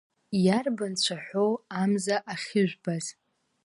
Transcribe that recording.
Иарбан цәаҳәоу амза ахьыжәбаз?